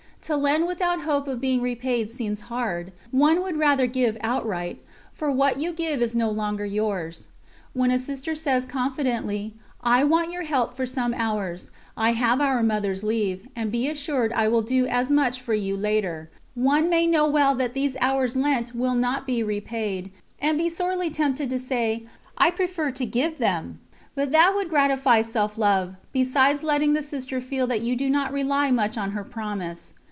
To lend without hope of being repaid seems hard; one would rather give outright, for what you give is no longer yours. When a Sister says confidently: "I want your help for some hours I have our Mother's leave, and be assured I will do as much for you later," one may know well that these hours lent will not be repaid, and be sorely tempted to say: "I prefer to give them." But that would gratify self love, besides letting the Sister feel that you do not rely much on her promise.